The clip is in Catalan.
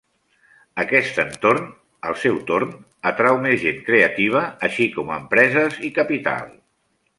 Aquest entorn, al seu torn, atrau més gent creativa, així com a empreses i capital.